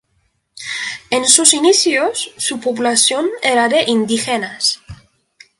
En sus inicios, su población era de indígenas.